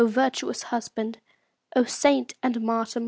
83 virtuous husband ! O saint and martyr